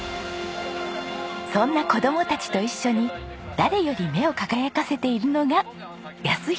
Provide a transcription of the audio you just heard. そんな子供たちと一緒に誰より目を輝かせているのが泰弘さんです。